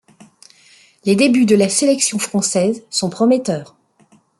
Les débuts de la sélection française sont prometteurs.